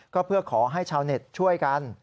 ก็เพื่อขอให้ชาวเน็ตช่วยกัน